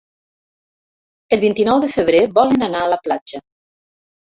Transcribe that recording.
El vint-i-nou de febrer volen anar a la platja.